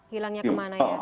hilangnya kemana ya